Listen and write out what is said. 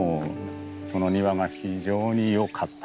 その庭が非常に良かった。